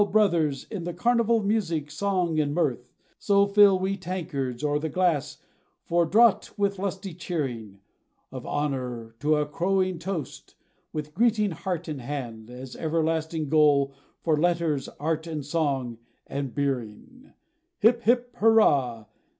brothers, in the carnival of music, song, and mirth: So fill we tankards, or the glass, for draught with lusty cheering, Of honor to a crowning toast, with greeting heart and hand, As everlasting goal, for letters, art, and song, and beering, Hip, hip, hurrah!